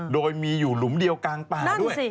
โดยมีอยู่หลุมเดียวกลางป่าด้วย